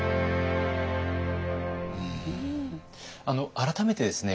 改めてですね